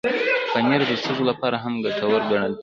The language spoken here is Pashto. پنېر د سږو لپاره هم ګټور ګڼل شوی.